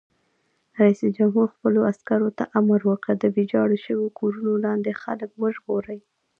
رئیس جمهور خپلو عسکرو ته امر وکړ؛ د ویجاړو شویو کورونو لاندې خلک وژغورئ!